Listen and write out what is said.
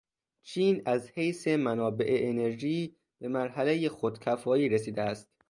چین از حیث منابع انرژی به مرحلهٔ خود کفایتی رسیده است.